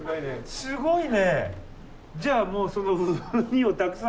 すごいね。